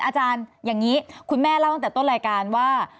อาจารย์อย่างนี้คุณแม่เล่าตั้งแต่ต้นรายการว่า